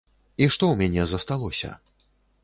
І што ў мяне засталося?